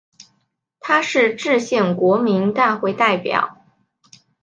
他是制宪国民大会代表。